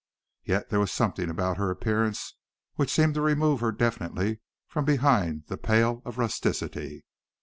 Yet there was something about her appearance which seemed to remove her definitely from behind the pale of rusticity.